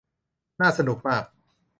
น่าสนุกมาก